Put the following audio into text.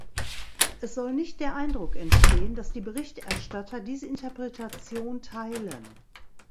Es soll nicht der Eindruck entstehen, dass die Berichterstatter diese Interpretation teilen.